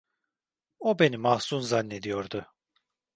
O beni mahzun zannediyordu.